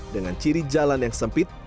dengan ciri jalan yang sempit